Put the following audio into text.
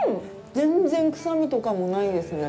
全然臭みとかもないですね。